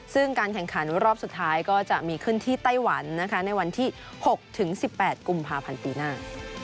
ซึ่งการแข่งขันรอบสุดท้ายก็จะมีขึ้นที่ไต้หวันในวันที่๖๑๘กุมภาพันธ์ปีหน้า